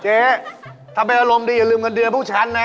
เจ๊ทำไมอารมณ์ดีอย่าลืมเงินเดือนพวกฉันนะ